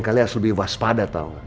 kalian harus lebih waspada tau